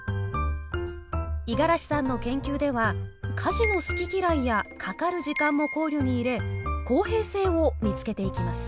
五十嵐さんの研究では家事の好き嫌いやかかる時間も考慮に入れ公平性を見つけていきます。